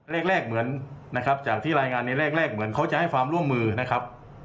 แรกเหมือนนะครับจากที่รายงานในแรกเหมือนเขาจะให้ความร่วมมือนะครับ